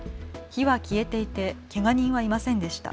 火は消えていてけが人はいませんでした。